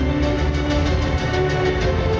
ก็ไม่รู้ก็ดูกันไป